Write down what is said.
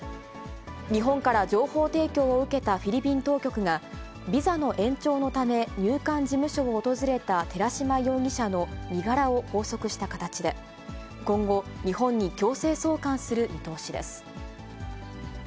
日本から情報提供を受けたフィリピン当局が、ビザの延長のため、入管事務所を訪れた寺島容疑者の身柄を拘束した形で、今後、日本に強制送還する見通しです。